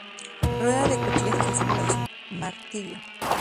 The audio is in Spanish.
La rueda de cuchillas es el símbolo de su martirio.